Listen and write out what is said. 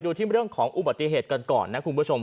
ที่เรื่องของอุบัติเหตุกันก่อนนะคุณผู้ชม